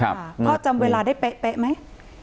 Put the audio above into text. พ่อจำเวลาได้เป๊ะไหม